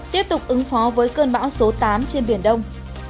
tiếp tục ứng phó với cơn bão số tám trên biển đông